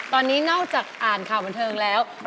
ตอนนี้นอกจากอ่านข่าวบันเทิงแล้ว